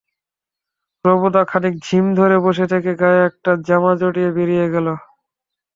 রবুদা খানিক ঝিম ধরে বসে থেকে গায়ে একটা জামা চড়িয়ে বেরিয়ে গেল।